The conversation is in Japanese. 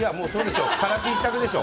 からし一択でしょ。